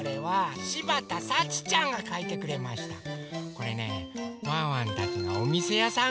これねワンワンたちがおみせやさん